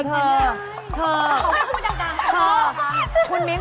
เขาไม่พูดด่าง